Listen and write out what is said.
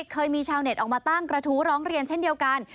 เคยมีชาวเน็ตออกมาตั้งกระทู้ร้องเรียนเช่นเดียวกัน